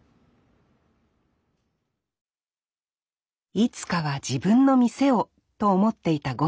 いつかは自分の店をと思っていたゴンさん。